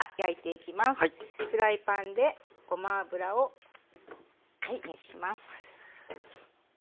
フライパンでごま油を熱します。